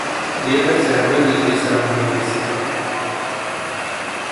There are several issues surrounding this site.